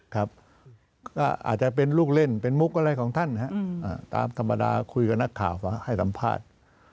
ครับก็อาจจะเป็นลูกเล่นเป็นมุกอะไรของท่านตามธรรมดาคุยกับนักข่าวให้สัมภาษณ์